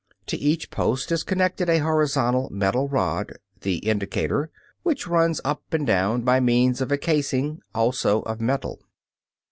To each post is connected a horizontal metal rod the indicator which runs up and down by means of a casing, also of metal.